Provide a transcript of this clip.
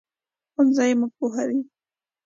ښوونځی موږ پوهوي